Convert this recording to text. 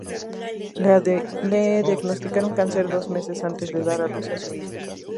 Le diagnosticaron cáncer dos meses antes de dar a luz a su hijo.